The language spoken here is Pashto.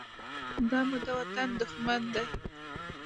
دا مو د وطن دښمن دى.